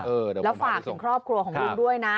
แล้วฝากถึงครอบครัวของลุงด้วยนะ